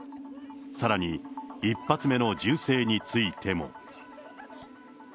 さらに、１発目の銃声についても。